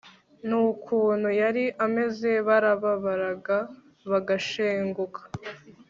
n'ukuntu yari ameze barababaraga bagashenguka